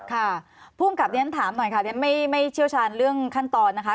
ค่ะภูมิกับเรียนถามหน่อยค่ะเรียนไม่เชี่ยวชาญเรื่องขั้นตอนนะคะ